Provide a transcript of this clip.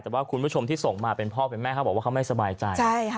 แต่ว่าคุณผู้ชมที่ส่งมาเป็นพ่อเป็นแม่เขาบอกว่าเขาไม่สบายใจ